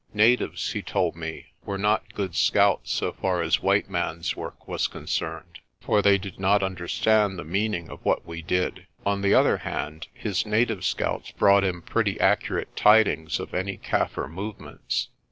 Natives, he told me, were not good scouts so far as white man's work was concerned, for they did not understand the meaning of what we did. On the other hand, his native scouts brought him pretty accurate tidings of any Kaffir movements.